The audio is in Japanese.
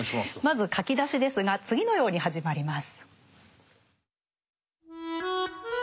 まず書き出しですが次のように始まります。